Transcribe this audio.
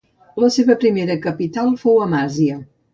La seva primera capital fou Amasya.